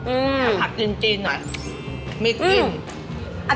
อือถ้าผัดจริงจริงหน่อยไม่ยอมกิน